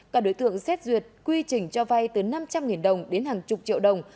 các đối tượng xét duyệt quy trình cho vay từ năm trăm linh đồng đến hàng chục triệu đồng